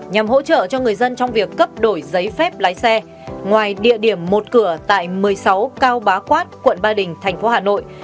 nhằm hỗ trợ cho người dân trong việc cấp đổi giấy phép lái xe ngoài địa điểm một cửa tại một mươi sáu cao bá quát quận ba đình thành phố hà nội